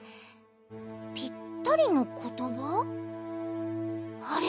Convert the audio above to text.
ぴったりのことば？あれ？